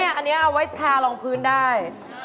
อันนี้เอาไว้ทารองพื้นได้